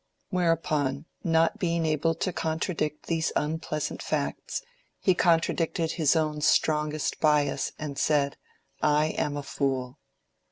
Whereupon, not being able to contradict these unpleasant facts, he contradicted his own strongest bias and said, "I am a fool."